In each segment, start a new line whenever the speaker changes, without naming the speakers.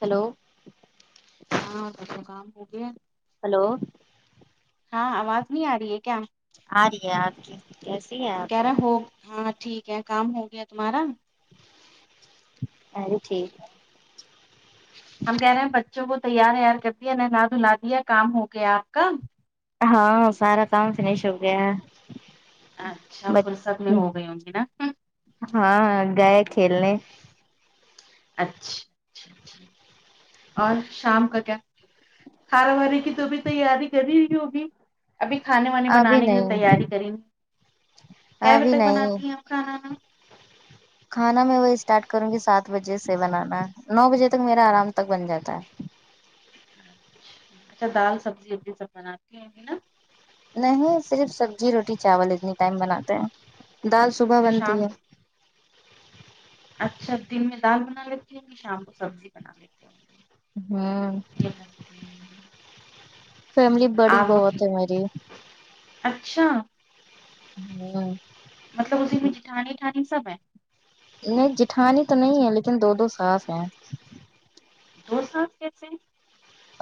Hello
ہاں گھر کا کام ہو گیا
ہیلو
ہاں آواز نہیں آ رہی ہے کیا
ارہی ہے ارہی ہے کیسی ہے
ہم
آپ
کہہ رہے ہو ہاں ٹھیک ہے کام ہو گیا تمہارا
میں بھی ٹھیک
ہم کہہ رہے ہیں بچوں کو تیار ویار کر دیا نہلا دھلا دیا کام ہو گیا آپ کا
ہاں سارا کام فنش ہو گیا
اچھا
بچ
فرصت میں ہو گئی ہوں گی نا
ہاں گئے کھیلنے
اچھا چ اور شام کا کیا کھانا وانے کی تو بھی تیاری کر ہی رہی ہوگی ابھی کھانے وانے
ابھی
بنانے کی تو تیاری
نہیں
کریں کے
ابھی
بجے
نہیں
بناتی ہیں آپ [unintelligible]
کھانا میں وہی اسٹارٹ کروں گی سات بجے سے بنانا نو بجے تک میرا آرام تک بن جاتا ہے
اچھا دال سبزی یہ بھی سب بناتی ہونگی نا
نہیں صرف سبزی روٹی چاول اتنی ٹائم بناتے ہیں دال صبح
اچھا
بنتی
شام
ہے
اچھا دن میں دال بنا لیتی ہوگی شام کو سبزی بنا لیتی ہوگی
ہمم
[inaudible]
فیملی بڑی
آلو
بہت
کی
ہے میری
اچھا
ہمم
مطلب اسی میں جٹھانی وٹھانی سب ہے
نہیں جٹھانی تو نہیں ہے لیکن دو دو ساس ہیں
دو ساس کیسے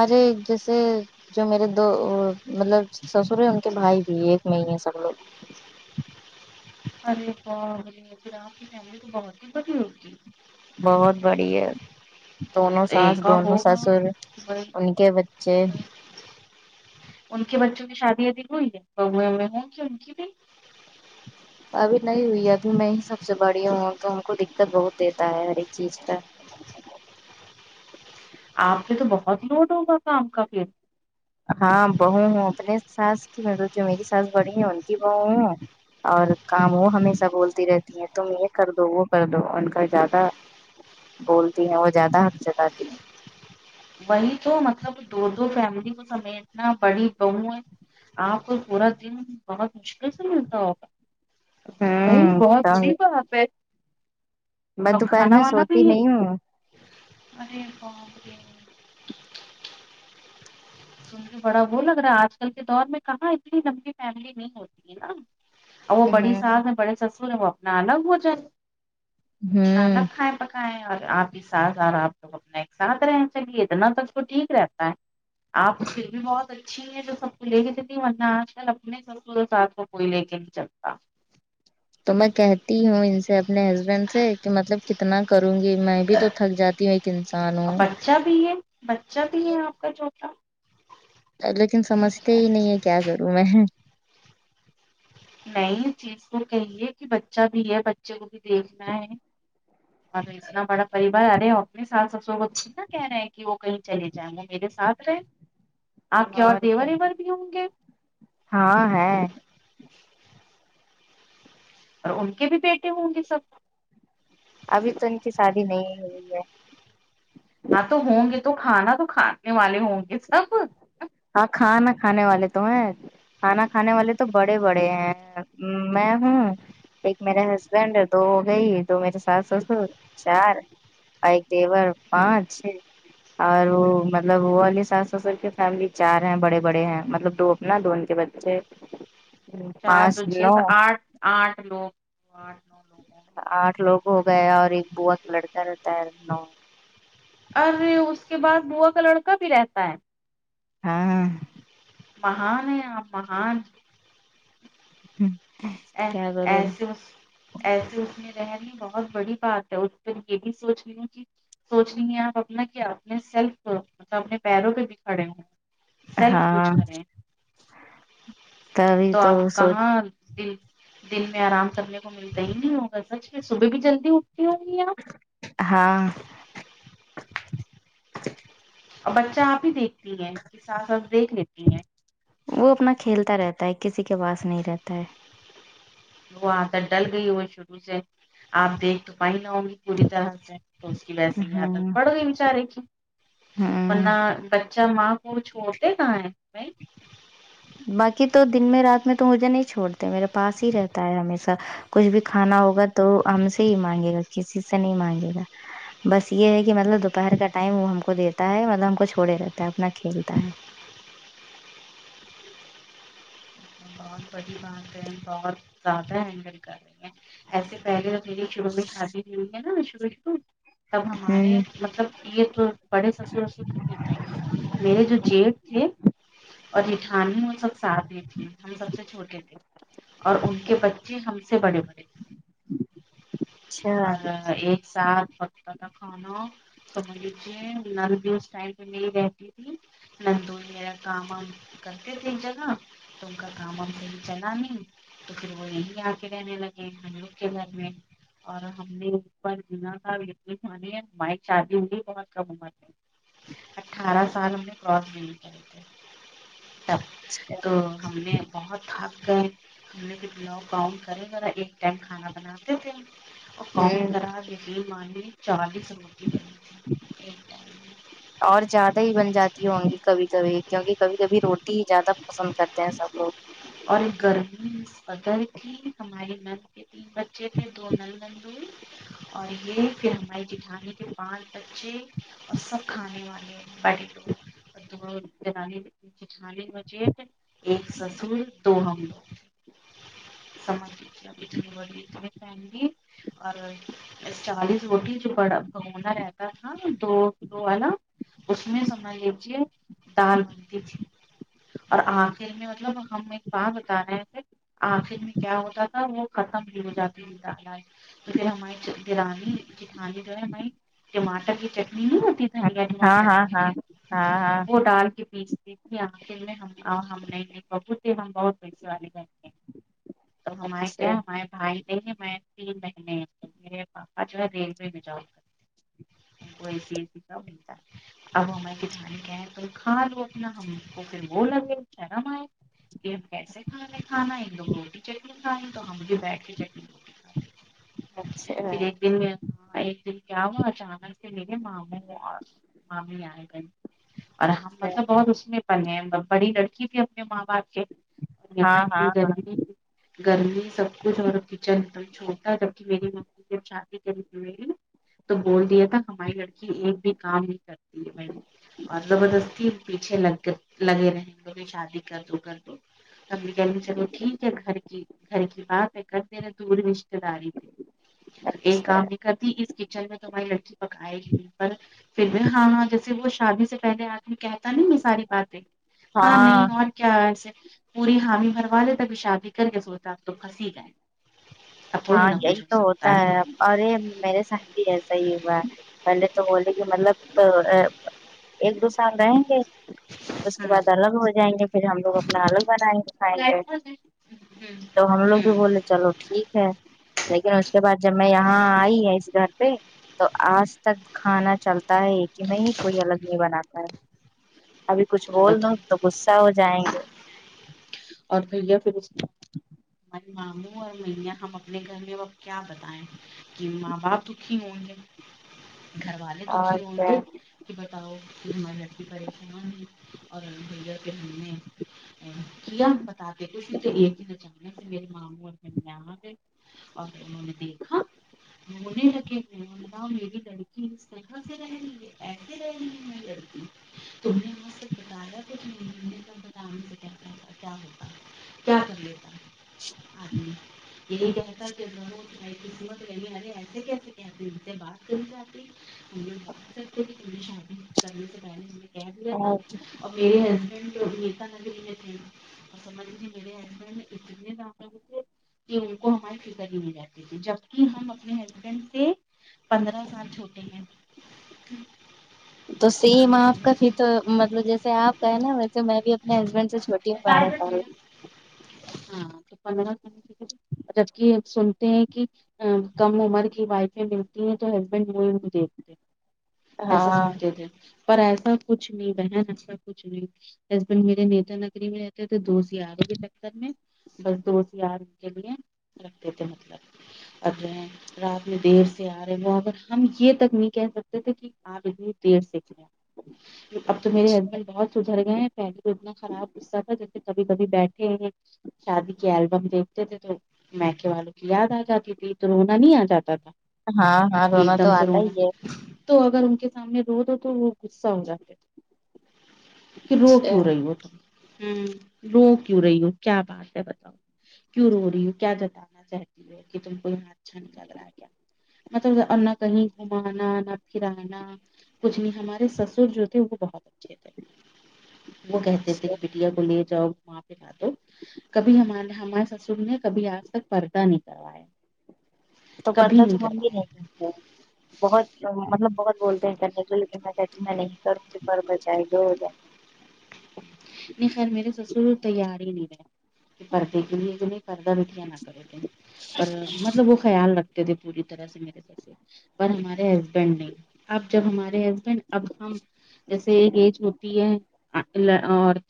ارے جیسے جو میرے دو مطلب سسر ہے ان کے بھائی بھی ایک میں ہی ہے سب لوگ
ارے باپرے پھر آپکی فیملی تو بہت ہی بڑی ہوگی
بہت بڑی ہے دونوں ساس
ایکا
دونوں سسر ان کے ب
اچھا ان کے بچوں کی شادی وادی ہوئی ہے بہوویں ہیں کیا ان کی بھی
ابھی نہیں ہوئی ہے ابھی میں ہی سب سے بڑی ہوں تو ہم کو دقت بہت دیتا ہے ہر ایک چیز کا
آپ پہ تو بہت لوڈ ہوگا کام کا پھر
ہاں بہو ہوں اپنے ساس مطلب جو میری ساس بڑی ہے ان کی بہو ہوں اور کام وہ ہمیشہ بولتی رہتی ہیں تم یہ کر دو وہ کر دو ان کا زیادہ بولتی ہیں وہ زیادہ حق جتاتی ہیں
وہی تو مطلب دو دو فیملی کو سمیٹنا بڑی بہو ہے آپ کو پورا دن بہت مشکل سے ملتا ہوگا بائی
ہیں
بہت
ہوں
جیب بات
میں
اور
دوپہر
کھانا
میں
وانا بھی
سوتی نہیں ہوں
سن کر بڑا وہ لگ رہا ہے آج کل کے دور میں کہاں اتنی لمبی فیملی نہیں ہوتی ہے نا اور وہ بڑی
ہ
ساس ہے بڑے سسر ہیں وہ اپنا الگ ہو جائے اپنا
ہوں
الگ کھایں پ کایں اور آپ ساس اور آپ تو اپنا ایک ساتھ رہ چلیے اتنا تو اس کو ٹھیک رہتا ہے آپ پھر بھی بہت اچھا اچھی ہے جو سب کو لے کے چلتی ہے ورنہ آج کل اپنے سسر اور ساس کو کوئی لے کے نہیں چلتا
تو میں کہتی ہوں ان سے اپنے ہسبینڈ سے کہ مطلب کتنا کروں گی میں بھی تو تھک جاتی ہوں ایک انسان
اور
ہوں
بچہ بھی ہے بچہ بھی ہے آپ کا چھوٹا
لیکن سمجھتے ہی نہیں ہے کیا کروں میں
نہیں چیز کو کہیے کہ بچہ بھی ہے بچے کو بھی دیکھنا ہے ا اتنا بڑا پریوار ارے اپنے ساس سسر اچ نہ کہہ رہے ہیں کہ وہ کہیں چلے جائیں وہ میرے ساتھ رہے آپ کے
اور
دیور
کیا
ایور بھی ہوں گے
ہاں ہے
اور ان کے بھی بیٹے ہوں گے سب
ابھی تو ان کی شادی نہیں ہے ہوئی
ہاں تو ہوں گے تو کھانا تو کھانے والے ہوں گے سب
ہاں کھانا کھانے والے تو ہیں کھانا کھانے والے تو بڑے بڑے ہیں میں ہوں ایک میرے ہسبینڈ دو وہ گئی دو میرے ساس سسر چار اور ایک دیوار پانچ ہے اور وہ مطلب وہ والی ساس سسر کے فیملی چار ہیں بڑے بڑے ہیں مطلب دو اپنا دو ان کے بچے
چار
پانچ
دو چھ
نو
سے آٹھ آٹھ لوگ آٹھ نو لوگ ہوں گے۔
آٹھ لوگ ہو گئے اور ایک بوا کا لڑکا رہتا ہے نو
ارے اس کے بعد بووا کا لڑکا بھی رہتا ہے
ہاں
مہان ہے آپ مہان
ہوں
ا ایس ایسے اس میں رہ رہی ہے بہت بڑی بات ہے اس پ یہ بھی سوچ رہی ہوں کہ سوچ رہیے آپ اپنا کہ اپنے سیلف مطلب اپنے پیروں پہ بھی کھڑے ہوں سیلف
ہاں
کچھ کریں
تبھی
تو آپ
سوچ
کہاں د دن میں آرام کرنے کو ملتا ہی نہیں ہوگا سچ میں صبح بھی جلدی اٹھتی ہوں گی آپ
ہاں
اور بچہ آپ ہی دیکھتی ہیں کہ ساس واس دیکھ لیتی ہیں
وہ اپنا کھیلتا رہتا ہے کسی کے پاس نہیں رہتا ہے
وہ عادت ڈل گئی ہو شروع سے آپ دیکھ تو پیں نہ ہو گی پوری طرح تو اس کی ویسے ہی
ہاں
عادت پڑ گئی بچارے کی
ہاں
نک اچھا ماں وہ چھوتے کہ بائی
باقی تو دن میں رات میں تو مجھے نہیں چوڑتے میرے پاس ہی رہتا ہے ہمیشہ کچھ بھی کھانا ہوگا تو ہم سے ہی مانگے گا کسی سے نہیں مانگے گا بس یہ ہے کہ مطلب دوپہر کا ٹائم وہ ہم کو دیتا ہے مطلب ہم کو چھوڑے رہتا ہے اپنا کھیلتا ہے
بہت بڑی بات ہے بہت زیادہ ہینڈل کر رہے ہیں ایسے پہلے میے شروع میں شادی ہوئی ہے نا شروع شروع تب ہمارے
ہ
مطلب یہ تو بڑے سصیہ سسو کین ہے میرے جو جیٹ تھے اور جیٹھان سب ساتھ میں تھے ہم سب سے چھوٹے تھے اور ان کے بچے ہم سے بڑے بڑے تھے اور ایک ساتھ پکانا کھانا سب بچے نل بھی اس ٹائیم پہ نہیں رہتی تھی نندوریرا کام وام کرتے تھے جگہ تمک کاما پل ج نا نہیں تو پھر وہ یہی آ کے رہنے لگے ہم لوگ کے گھر میں اور ہم نے اوپر گنا تھا اتنی کھانے ہماری شادی ہو بھی بہت کم ہم اٹھارہ سال ہم نے کراس نہیں کرتے تب
ج
تو ہم نے بہت ہاک گ ہم کتناؤ کاؤن کرے ذا ایک ٹائم کھانا بناتے تھے اکاؤنٹ
ہ
کرا دلیے میں نے چالیس روپی بنی تھی ہ
اور زیادہ ہی بن جاتی ہوں گی کبھی کبھی کیونکہ کبھی کبھی روٹی ہی زیادہ پسند کرتے ہیں سب لوگ
اور گرمی بدل کے ہمارے نل پہ بچےتنے دو نلگندند اور یہ پھر ہماری جیٹھانی کے پانچ بچے اور سب کھانے والے بیٹے دو‌ جیٹھانی مجھے ایک سسور دونوں سمجھ کے ی ف اور چالیس روٹی جو بڑا بھگونا رہتا تھا دو کلو والا اس میں سمجھ لیجے دال بنتی تھی اور آخر میں مطلب ہم وہاں بتا رہے ہیں تھ آخر میں کیا ہوتا تھا وہ ختم بھی ہو جاتی تھیال تو پھر ہماری دیورانی جیٹھانی جو ہے ہماری ٹماٹر کی چٹنی نہیں ہوتی دھنیا
ہاں
ٹماٹر
ہاں
ڈال
ہاں
کے
ہاں ہاں
وہ ڈال کے پیس دیکھ آے میں ہم نہیں ببوتے ہم بہت پیسے والے کرتے ہیں تو ہمے
اچھا
کیا ہمارے بھائی نہیں ہی میں تین مہینے میرے پاپا جو ہے دل میں میں جاؤ ویسی ای س کا نہیںتا اب ہمار کھانی کیا ہے تو کھا لو اپنا ہم کو پھر وہ لگے شرم آئے یہ ہمب کیسے کھانا کھانا ہے لو روٹی چٹنی کھیں تو ہم مجھے بیٹھ
اچھا
پھر
اچھا
ایک دن ہاں ایک دن کیا ہوا اچانک سے میرے ماموں مامی آئے گئے اور ہم مطلب بہت اس میں پ ہیں بڑی لڑکی تھی اپنے ماں باپ کے اور
ہاں
یہاں
ہاں
اتنی گرمی گھر میں سب کچھ اور کچن تو ہی چھوٹا جبک میری ماں چھاتی کر ت تو بول دیا تھا ہماری لڑکی ایک بھی کام ہی کرتی ہے ب اور زبردستی پیچھے لگ لگے رہیں گ بھی شادی کر دو کر ابھی گھر بھی چلو ٹھیک ہے گھر کی گھر کی بات ہے کرتے ہوئے دور رشتے داری تھی
ہاں
ایک
اچھا
آم نے گتیھی اس کچن میں تمہاری لٹکی پکائے گی پر پھر بھی ہاں ہاں جیے وہ شادی سے پہلے آدمی کہ نہیں یہ ساری باتیں ہاں نہیں اور کیا ایسے پوری حامی بھروا دے تک شادی کر کے سوتاب تو پھنسی گئے اب تھوڑی
ہاں
نہ کچھ
یہی
ہو
تو ہوتا
سکتا
ہے اور میرے ساتھ بھی ایسا ہی ہوا ہے پہلے تو بولے کہ مطلب ایک دو سال رہیں گے اس کے
ہے
بعد الگ ہو جائیں گے پھر ہم لوگ اپنا الگ بنائیں گے کھائیں گے تو ہم لوگ بھی بولے چلو ٹھیک ا لیکن اس کے بعد جب میں یہاں آئی اس گھر پہ تو آج تک کھانا چلتا ہے ایک ہی میں ہی کوئی الگ نہیں بناتا ہے ابھی کچھ
تو
بول
بتاؤ
دووں تو غصہ ہو جائیں گے
اور بھیا پھر اس ہمارے ماموں اور میا ہم اپنے گھر میں اب کیا بتا یں کہ ماں باپ دکھی ہووں گے گھر والے دکھی
اور کیا
ہونگیں کہ بتاؤ کہ ہماری لڑکی پریشان ہوئی اور اللہ بھیا کہ ہم نے کیا بتا دیتے کہ یہ بھی ن جانے میرے ماموں اور گ اور انوں نے دیکھا رونے لگے ہیں ہ میری لڑکی اس طرح سے رہ رہی ہے ایسے رہ رہی ہے میں لڑکی تم نے وہ سے بتایا کھ ب کیا ہوتا ہے کیا کر لیتا ہے آدمی یہی کہتا کہ ب قسمت رہی والے ایسے کیسے کہتی ان سے بات کرنی چاہتی پریش کرنے سے پہلے کہ دیا تھا اور میرے ہسبینڈ جو نیتا ندی لی تھے سبج آ نےتنے کہ ان کو ہماری فکر ہی مل جاتی تھی جبک ہم اپنے ہسبینڈ سے پندرہ سال چھوٹے ہیں
تو سیم
اپنے
آپ کا
ہسبینڈ
پھر تو مطلب جیسے آپ کا ہے نا ویسے میں بھی اپنے ہسبینڈ سے چھو
ہاں پر س ربی سنتے ہیں کہ کم عمر کی وائفیں ملتی ہیں تو ہسبینڈ وہ نہیں دیکھتے ایسا
ہاں
سنتے تھے پر ایسا کچھ نہیں بہن ایسا کچھ نہیں ہسبنڈ میرے نیتا نے ری میں رہتے تھ دو سیارے کے چکر میں بس دو سیار کے لیے رکھتے تھ مطلب اگرے رات میں دیر سے آ رہے وہاں پر ہم یہ تک نہیں کہہ سکتے تھے کہ آپ اتنی دیر سھے اب تو میرے ہسبینڈ بہت سدھر گئے ہیں پہلے تو اتنا خراب اسرح جیسے کبھی کبھی بیٹھے ہیں شادی کے البم دیکھتے تھے تو مکے والوں کی یاد آ جاتی تھی تو رونا نہیں آ جاتا تھا
ہاں ہا ں
کہ
رونا
ایک
تو
دم سے
آتا ہی
رونا
ہے
تو اگر ان کے سامنے رو دو تو وہ غصہ ہو جاتے تھے کہ رو
اچھا
کیوں رہی ہو تم ہوں رو کیوں رہی ہو کیا بات ہے بتاؤ کیوں رو رہی ہ کیا جتانا چاہتی ہے کہ تم کو یہاں اچھا نہیں لگ رہا ہے مطلب نہ کہیں گھمانا نہ پھرانا کچھ نہیں ہمارے سسر جو تھے وہ بہت اچھے تھے وہ کہتے تھے
اچھا،
بٹیا کو لے جاؤ کبھی ہمارے ہمارے سسر نے کبھی آج تک پردہ نہیں کروایا
تو
کبھی
پردہ تو
نہیں
منگ ہی
کروایا
نہیں کرتے بہت مطلب بہت بولتے ہیں کرنے کو لیکن میں کہتی میں نہیں کروں گی پر بچائے جو ہو جائے
نہیں خیر میرے سسر تیار ہی نہیں رہے کہ پردے کے لیے کہ نہیں پردہ بٹھیا نہ کرے تھ اور مطلب وہ خیال رکھ تھے پوری طرح سے میرے پیسے پر ہمارے ہسبینڈ نے اب جب ہمارے ہسبینڈ اب ہم جیسے ایک ایج ہوتی ہے اور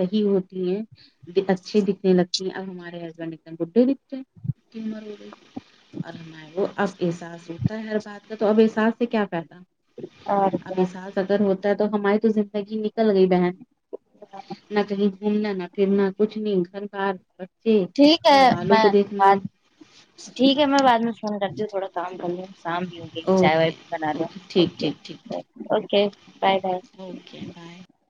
صحیح ہوتی ہے اچھی دکھنے لگتی ہیں اب ہمارے ہسبینڈ دکھتے ہیں بڈھے دکھتے ہے اور ہم وہ اب احساس ہوتا ہے ہر بات کا تو اب احساس سے کیا فائدہ
اور
اب
کیا
احساس اگر ہوتا ہے تو ہماری تو زندگی نکل گئی بہن نہ کہیں گھومنا نہ پھرنا کچھ نہیں گھر بر
ٹھیک ہے میں بات ٹھیک ہے میں بعد میں فون کرتی ہوں تھوڑا کام کر لےشام گ چائے وائے
اوکے
بنا لو
ٹھیک
اوکے
ٹھیک ٹھیک
بائے
ٹھیک
okay bye bye
okay bye